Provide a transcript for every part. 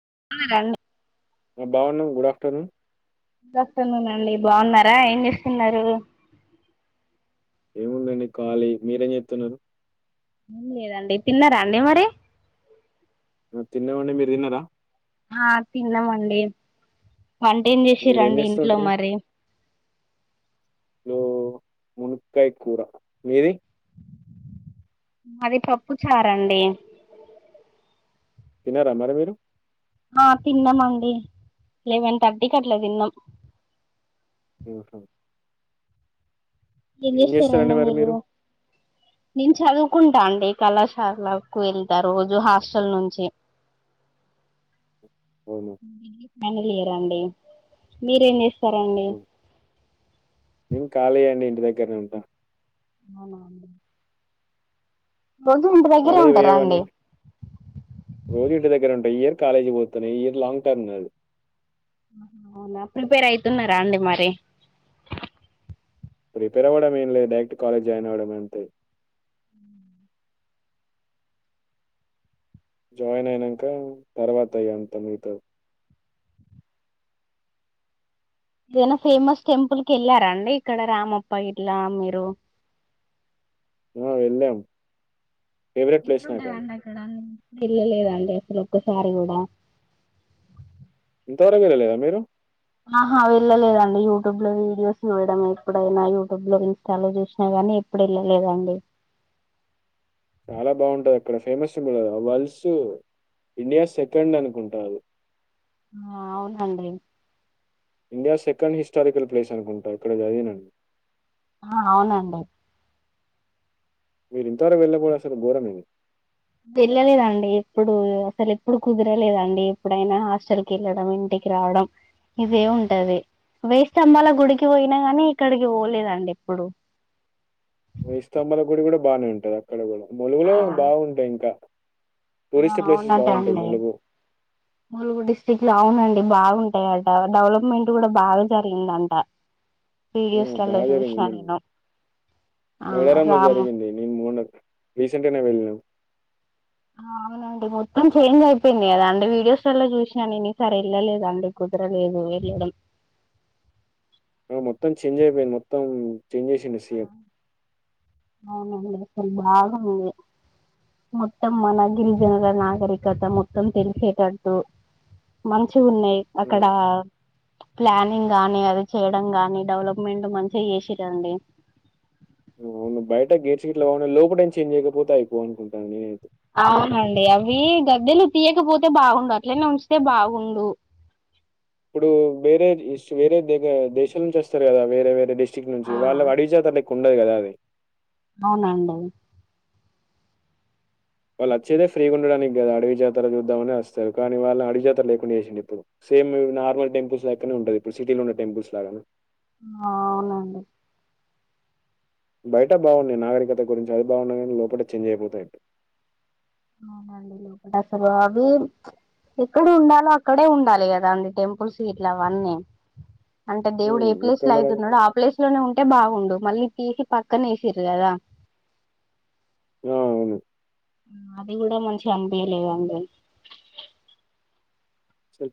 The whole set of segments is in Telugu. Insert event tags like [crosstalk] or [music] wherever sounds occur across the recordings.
[unintelligible] బాగున్నం గుడ్ అఫ్టర్నూన్ గుడ్ ఆఫ్టర్నూన్ అండి బాగున్నారా ఏం చేస్తున్నారు నేను ఖాళీ మీరేం చేస్తున్నారు ఏం లేదండి తిన్నారా అండి మరి తినం అండి మీరు తిన్నారా ఆ తిన్నాం అండి వంటేం చేసిరు మీరేం అండి ఇంట్లో జేస్తుంటారు? మరి మునకాయ కూర మీది మాది పప్పు చారూ అండి తిన్నారా మరి మీరు ఆ తిన్నమండి లెవెన్థర్టీ కి అట్లా తిన్నాం హో ఏం చేస్తారు ఆండీ మీరు మీ చదువుకుంట అండి కళాశాలకు వెళ్తా రోజు హాస్టల్ నుంచి అవునా! మ్మ్ హ్మ్ ఫైనల్ ఇయర్ అండి మీరేం చేస్ అండి ఖాళీయే అండి ఇంటి దగ్గరనే ఉంటా అవునా రోజు ఇంటి దగ్గరే కాలేజీ ఉంటారా పోయేవాడిని. అండి రోజు ఇంటి దగ్గరే ఉంటా ఈ ఇయర్ కాలేజ్ పోతా ఈ ఇయర్ లాంగ్ టర్మ్ నాది అవునా ప్రిపేర్ అయితున్నారా అండి మరి ప్రిపేర్ అవ్వడం ఏం లేదు డైరెక్ట్ కాలేజ్ జాయిన్ అవ్వడం అంతే జాయిన్ అయినాక తర్వాత అయ్య అంత మీతో ఏదైనా ఫేమస్ టెంపుల్కి వెళ్ళారాండి ఇక్కడ రామప్ప ఇట్లా మీరు ఆ వెళ్ళాం ఫేవరెట్ ప్లేస్ నాకది. ఎట్ంటాదండి అక్కడ నేను ఇల్ళలేదండి ఒకసారి కూడా ఇంతవరకు వెళ్ళలేదా మీరు ఆహా వెళ్ళలేదండి యూట్యూబ్ లో వీడియోస్ చూయడం ఎప్పుడైనా యూట్యూబ్ లో ఇన్స్టాలో చూసినా గానీ ఎప్పుడు వెళ్ళలేదండి చాలా బాగుంటది అక్కడ ఫేమస్ వల్స్ ఇండియా సెకండ్ అనుకుంటా అది ఆ అవునండి ఇండియా సెకండ్ హిస్టారికల్ ప్లేస్ అనుకుంటా ఎక్కడో చదివినాను ఆ అవునండి మీరు ఇంతవరకు వెళ్ళలేదు అసలు ఘోరమే వెళ్ళలేదండి ఎప్పుడు అసలు ఎప్పుడు కుదరలేదండి ఎప్పుడైనా హాస్టల్కి వెళ్ళడం ఇంటికి రావడం ఇదే ఉంటది వే స్తంభాల గుడికి పోయినా నీ ఇక్కడికి పోలేదండి ఇప్పుడు వేయి స్తంభాల గుడి కూడా బానే ఉంటది అక్కడ కూడా ఆ ములుగులో బాగుంటాయి ఇంకా ఆ టూరిస్ట్ ప్లేసెస్ బాగుంటాయి అవునట్ండి ములుగు. ములుగు డిస్ట్రిక్ట్ లో అవునండి అ బాగుంటాయట డెవలప్మెంట్ కూడా బాగా జరిగిందంట ఆ వీడియోస్లలో బాగాదేరింది చూసిన ముందు నేను ఆ మేడారంలో రాము జరిగిడి నేను మొన్న రీసెంట్గానే వెళ్ళినాను అవునండి మొత్తం చేంజ్ అయిపోయింది కదా అంటే వీడియోస్లలో చూసినా న సరే వెళ్ళలేద అండి కుదరలేదు వెళ్ళడం ఆ మొత్తం చేంజ్ అయిపోయింది మొత్తం చేంజ్ చేసిండు ఆ సీఎం. అవున అండి చాల బాగుంది మొత్తం మన గిరిజనుల నాగరికత మొత్తం తెలిసేటట్టు మంచి ఉన్నాయి అక్కడ హ్మ్. ప్లానింగ్ గాని అది చేయడం నీ డెవలప్మెంట్ మంచిగా చేసిరండి అవును బయట గేట్ గట్ బ లోపడ ఏం చేం చేయకపోతేయిపో అనుకుంటన నేను అవునండి అవి గద్దెలు తీయకపోతే బాగుండు అట్లనే ఉంచితే బాగుండు ఇప్పుడు వేరే వేరే ద దేశాల నుంచి వస్తారు కదా వేరే వేరే డిష్ చక్ నుంచి ఆ వాళ్ళ అడివి జత కుండదు కదా అది అవునండి వాళ్ళుచ్చదే ఫ్రీగా ఉండడానికి కదా అడవి జాతర చూద్దామనే వస్తారు కానీ వాళ్ళ అవి జాతర లేకుడా చేసిండడి ఇప్పుడు సేమ్ నార్మల్ టెంపుల్స్ లెక్కనే ఉంటది ఇప్పుడు సిటీలో ఉన్న టెంపుల్స్ లాగా అవునండి బయట బాగున్నాయి నాగరికత గురించి అది బాగున్నాయి కానీ లోపల చేంజ్ అయిపోతాయి అవునండి లోకదసర బాబీ ఎక్కడ ఉండాలో అక్కడే ఉండాలి కదా అండి టెంపుల్స్ ఇట్లా అవన్నీ అంటే దేవుడు హ్మ్. ఏ ప్లేస్ లో ఎక్కడున్నరవి అవుతున్నాడో ఆ ప్లేస్ లోనే ఉంటే బాగుండు మళ్లీ పీకి పక్కన ఎసిర్రు కదా ఆ అవును అది కూడా మంచిగా అనిపయలేదు అండి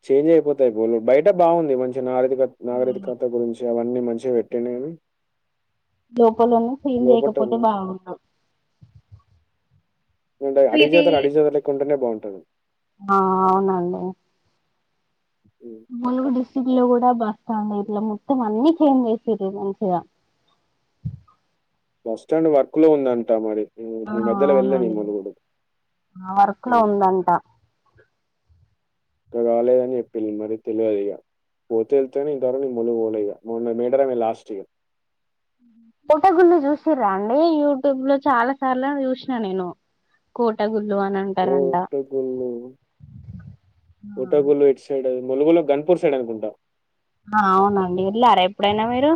చేంజ్ అయిపోతాయి బయట బాగుంది మంచి నాక నాగరితికత గురించి అవన్నీ మంచిగా పెట్టాన [unintelligible] కానీ లోపలనే క్లీన్ చేయకపోతే బాగుండు అడివి జతోళ్లు అడివి జతోళ్లు కొంటనే బాగున్ అ ఆ అవునండి హ్మ్. ములుగు డిస్టిరిక్ట్ లో కూడా బస్తంది ఇట్లా మొత్తం అన్ని చేంజ్ చేస మంచిగా బస్స్టాండ్ వర్క్ లో ఉందంట మరి ఆ మీ మధ్యలో వెళ్ [unintelligible] అవునండి ములుగుడుదు ఆ వర్క్ లో ఉందంట ఇంకా రాలేదని చెప్పి మరి తెలియదు ఇక పోతేళ్తేనే ఇ తర న మొలుగు పోలే ఇక మొన్న మీడరమ లాస్ట్ ఇయర్ కోట గుళ చూసిరా అండి యూట్యూబ్ లో చాలా సార్లు చూసిన నేను కోట గుళ్ళ ఓట గుల్ ట గులు ఎడ్ సైడ్ అ ములుగులో గన్పూర్ సైడ్ అనుకుంటాం ఆ అవునండి వెళ్ళారా ఎప్పుడైనా మీరు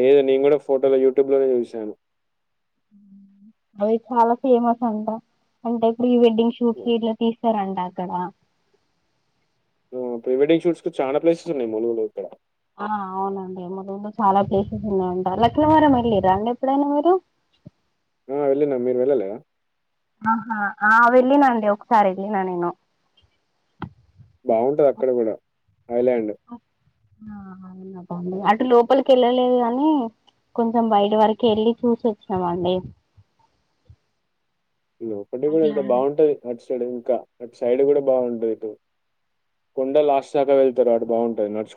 లేదు నేను కూడా ఫోటోలు యూట్యూబ్ లోనే చూశాను అవి చాలా ఫేమస్ అంట అంటే ప్రీవడ్డింగ్ షూట్ కి ఇలా కారా అంట అక్కడ ఉ ప్రీ వెడ్డింగ్ షూట్స్ కు చాలా ప్లేసెస్ ఉన్నాయి మూలుగులు ఇక్కడ ఆ అవునండి ములుగులో చాలా ప్లేసెస్ ఉన్నాయంట లక్కవరం వెళ్ళిరా ఎప్పుడైనా మీరు ఆ వెళ్ళి నా మీరు వెళ్ళలే ఆహా ఆ వెళ్ళిన అండి ఒకసారి వెళ్ళిన నేను బాగుంటది అక్కడ కూడా థాయిలాండ్ ఆ అవునటండి అటు లోపలికి వెళ్ళలేదు కాని కొంచెం బయట వరకి వెళ్ళి చూసొచ్చినామండి. లో ఒకడ్ని కూడా బాగుంటది నడ్స్ ఇక్కడు ఇంకా అటు సైడ్ కూడా బాగుంటంది ఇటు కొండ లాస్ట్ దాకా వెళ్తారు అది బాగుంటాది నడుచ్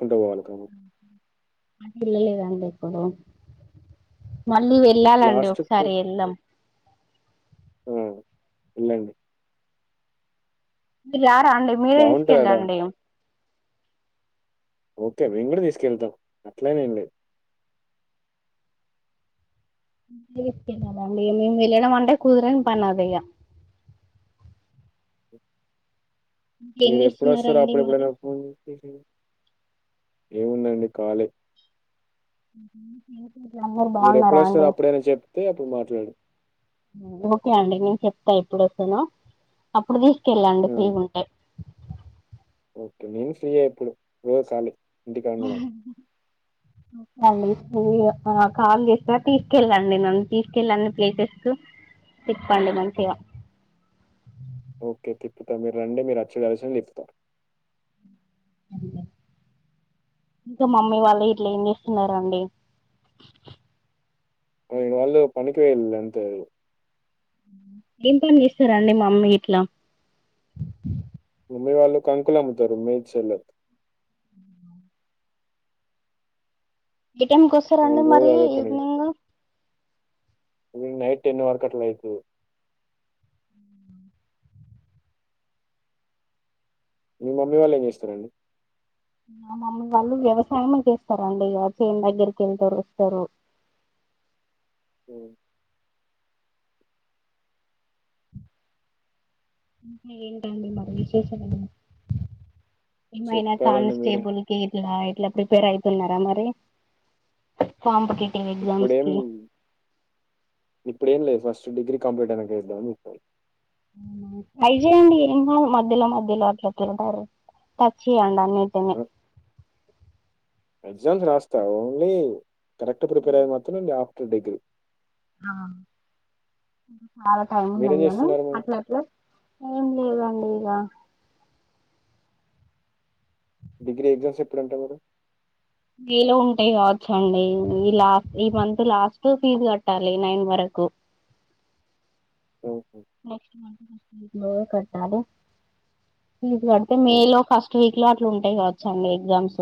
పిల్లలేదడి [unintelligible] మళ్ళీ వెళ్ళాలండి ఒకసారి వెళ్దాం ఉ వెళ్లండ్ మిర్యా తండి మీరే బాగుంటది ఆడ తీసుకెళ్ళండి ఉ ఓకే మేము కూడా తీసుకెళ్తాం ఆట్లని ఏం లేద్ తీసుకెలండి వెళ్ళడం మంటే కుదురని పనిఇగా ఏం మీరు ఎప్పుడు వస్తారు చేస్తున్నారండి అప్పుడ మరి ఎప్పుడైనా ఫోన్ ఏముందండి కాలే మీరందరు బాగున్నారా అండి చే ఓకే అండి నేను చెప్తా ఇప్పుడు ఓకే నా అప్పుడుది కెళ్లండి ఆ! ఫ్రీగుంటే ఉంటే ఓకే మీమ్ ఫ్రీయే ఇప్పుడు రోజ్ చాలు ఆహా ఆలు అది కాల్ చేస్తా తీసుకెళ్ళండి నన్ను తీసుకెళ్ళ అన్ని ప్లేసెస్ తిప్పండి మంచిగా ఓకే తిప్పుతా మీరు రండి మీరు వచ్చి కలిసి తిప్తా ఇంకా మమ్మీ వాళ్ళు ఇట్లా ఏం చేస్తున్నరండి వాయ్ వాళ్ళు పనికి వెళ్తారు ఏం పని చేస్తారండి మమ్మీ ఇట్లా మమ్మీ వాళ్ళు కాంకులు అమ్ముతారు మీచేల్లా ఏ టైంకి వస్తారండి వాళ్ళు రోజు మరి అదే ఈవినింగు ఉ నైట్ టెన్ వరకు అట్ల అయితది మీ మమ్మీ వాళ్ళు ఏమ్ చేస్తారండి మా మమ్మీ వాళ్ళు వ్యవసాయమే చేస్తారండి ఇగా చేన్ దగ్గరికి వెళ్తారు వస్తారు. ఓ నీ ఏంటండి మరి విశేషాలు ఇమైనా చెప్పాలండి మీరే. కాన్స్టేబుల్కి ఇట్లా రాయ్ ఇట్లా ప్రిపేర్ అయితున్నారా మరి పాంబకి ఇప్పుడేం ఇప్పుడేం లేదు ఫస్ట్ డిగ్రీ కంలీట్ అయినాకా చేద్దాం అని చుతన ట్రై చేయండి ఏ మధ్యలో మధ్యలో అట్లా తింటారు టచ్ చేయ్యడా ఇతమై ఆ! ఎగ్జామ్స్ రాస్తా ఓన్లీ కరక్ట్ ప్రిపేర్యయి మ మాత్రం యా తు డిగ్రీ ఆ చాలా టైం మీరేం ఉన్నది గానీ చేస్తున్నారు మరి? అట్లా అట్లా ఏం లేదండి ఇక డిగ్రీ ఎగ్జామ్స్ ఎప్పుడంటా మరీ వీలో ఉంటాయి కావచ్చ అండి ఈ లాస్ట్ ఈ మంత్ లాస్ట్ ఫీజు కట్టాలి నైన్ వరకు ఓకే. నెక్స్ట్ మ్యాన్ బో కట్టలీ ఫీజ్ కడితే ఆ! మే లో ఫస్ట్ వీక్ ఇట్లా అట్లు ఉంటాయి కావచ్చ అండి ఎగ్జామ్స్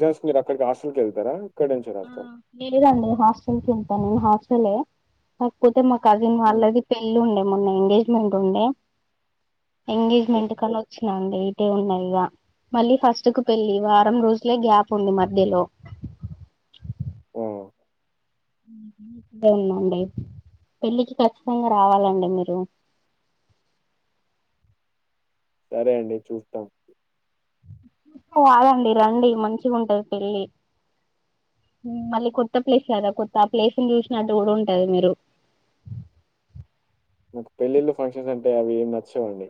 జన్స్ మీరు అక్కడికి హాస్టల్కి వెళ్తారా [inaudible] [inaudible] హాస్టల్ ఎ నక్ కోడ్ తే మా కజిన్ హ్మ్. వాళ్ళది పెళ్లి ఉండే మొన్న ఎంగేజ్మెంట్ ఉండే ఓహ్! ఎంగేజ్మెంట్ కనొచ్చు నాండి ఇటే ఉన్నా ఇగా మళ్ళీ ఫస్ట్ కు పెళ్లి వారం రోజులే గ్యాప్ ఉంది మధ్యలో అ ఉందండి పెళ్ళికి ఖచ్చితంగా రావాలండి మీరూ సరే అండి చూస్తాం కాదండి రండి మంచిగా ఉంటాది పెళ్లి మళ్ళీ కొత్త ప్లేస్ కదా కొత్త ఆ ప్లేస్ లు చూసినట్టు కూడా ఉంటది మీరు నాకు పెళ్ళిళ్ళు ఫంక్షన్స్ అంటే అవి ఎమ్ నచ్చావండి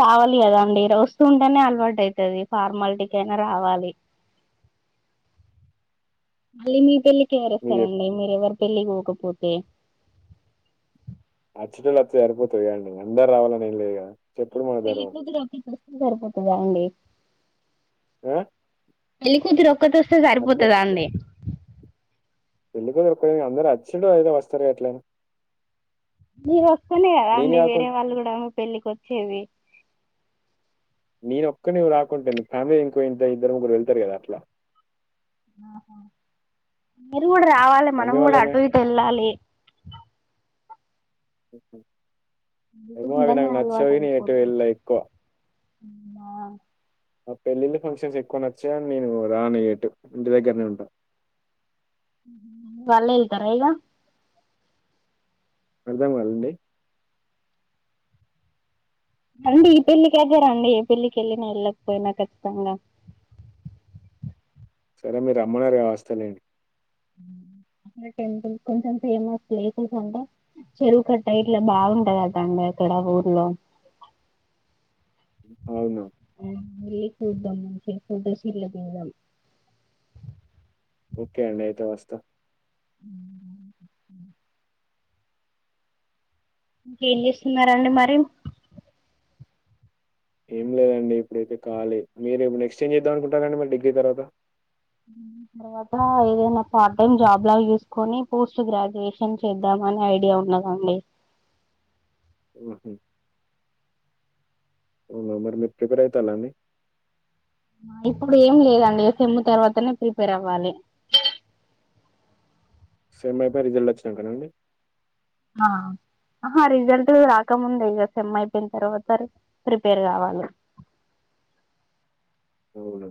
రావాలి కదాండి వస్తుూంటేనే అలవాటు అయితాది ఫార్మాలిటీకి అయినా రావాలి మళ్ళీ మీ పెళ్లి మీరు చెప్ కేవరోస్తారండి మీరు ఎవర్ పెళ్లికి పోకపోతే చుట్టాలు అత్తే సరిపోతది కదా అండి అందరు రావాలని ఏం లేదు కదా చెప్పుడు మీకు మన ధర్మం. పేళ్లికుతురూ సరిపోతాది అండి ఆ! పేళ్లి కూతురు ఒక్కతి వస్తే సరిపోతదా అండి పెళ్లి కూతురుకు అందరు అచ్చిందే అయిదో వస్తారు అట్లని మీరు వస్తానే కదా అండి వేరే వాళ్ళు కూడా పెళ్ళికి వచ్చేది నేను ఒక్కని రాకుంటేంది ఫ్యామిలీ ఇంకో ఇద్దరు ముగ్గురు వెళ్తారు కదా అట్లా ఆహా కూడా రావాలి మనం మమ్మీ కూడా వాళ్ళేమే అటు ఇటు వెళ్ళాలి ఓకే ఇట్లానే అలవాటు నేను ఎటు అయిపోది వెళ్ళా ఎక్కువ పెళ్లి లు ఫంక్షన్స్ ఎక్కువ నచ్చవు నేను రాను ఎటు ఇంటి దగ్గరనే ఉంటా వల్లే ఎల్తారా ఇగా అర్థం కాలే అండి అండి ఈ పెళ్ళికి అయితే రండి ఏ పెళ్ళకి వెళ్ళినా వెళ్ళకపోయినా ఖచ్చితంగా సరే మీరు రమ్మనారు గా వస్తలేండి టెంపుల్ కొంచెం ఫేమస్ ప్లేసెస్ అంటా చెరువు కట్ట ఇట్లా బాగుంటదాట అండి అక్కడ ఊర్లో అవును వెళ్ళి చూద్దాం మంచిగా ఫోటోస్ గిట్లా దిగాలి ఓకే అండి అయితే వస్తా [inaudible] ఇంకేం చేస్తున్నారు అండి మరి ఎప్పుడైతే కాలీ మీరు నేక్స్ట ఎం చేద్దాం అకుంటారారండి మరి డిగ్రీ తర్వత తర్వాత ఏదైనా పార్ట్ టైమ్ జాబ్ లాగా చూసుకొని పోస్ట్ గ్రాడ్యుయేషన్ చేద్దామని ఐడియా ఉన్నదండి ఉ మరి మీరు ప్రిపేర్ అయితాల అండి ఇప్పుడు ఏం లేదండి ఇగా సేమ్ము తర్వాతనే ప్రిపేర్ అవ్వాలి సేమ్ అయిపోయి రిజల్ట్ వచ్చినాంక అండి ఆహా రిజల్ట్ రాకముంద ఇక సెమ్ అయిపోయిన తర్వాత ప్రిపేర్ కావాలి అఓహ్